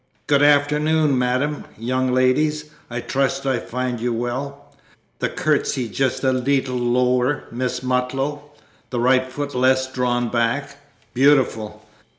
"Good afternoon, madam. Young ladies, I trust I find you well. (The curtsey just a leetle lower, Miss Mutlow the right foot less drawn back. Beautiful!